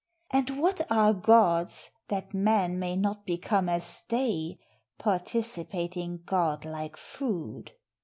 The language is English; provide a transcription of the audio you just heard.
And what are gods, that man may not become As they, participating godlike food?